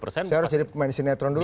saya harus jadi manisinetron dulu